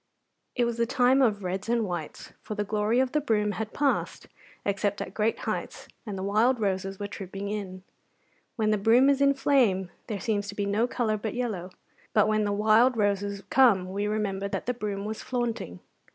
It was the time of reds and whites, for the glory of the broom had passed, except at great heights, and the wild roses were trooping in. When the broom is in flame there seems to be no colour but yellow; but when the wild roses come we remember that the broom was flaunting.